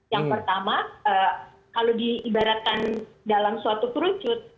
yang pertama kalau diibaratkan dalam suatu kerucut